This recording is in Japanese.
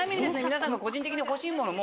皆さんが個人的に欲しいもの